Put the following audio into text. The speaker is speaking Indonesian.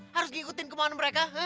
harus diikutin kemana mereka